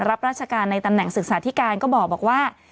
รับราชการในตำแหน่งศึกษาธิการก็บอกว่า